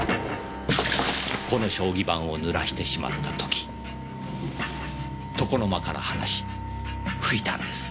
この将棋盤を濡らしてしまった時床の間から離し拭いたんです。